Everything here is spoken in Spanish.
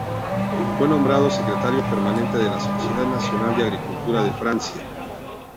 Fue nombrado secretario permanente de la Sociedad Nacional de Agricultura de Francia.